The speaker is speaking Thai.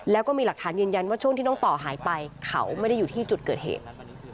แล้วก็มีหลักฐานยืนยันว่าช่วงที่น้องต่อหายไปเขาไม่ได้อยู่ที่จุดเกิดเหตุ